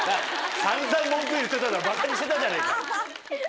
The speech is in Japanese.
散々文句言ってただろバカにしてたじゃないか。